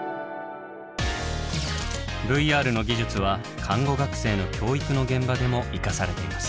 ＶＲの技術は看護学生の教育の現場でも生かされています。